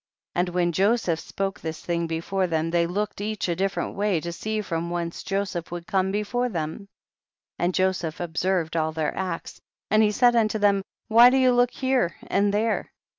68. And when Joseph spoke this thing before them, they looked each a different way to see from whence Joseph would come before them. 69. And Joseph observed all their acts, and said unto them, why do you look here and there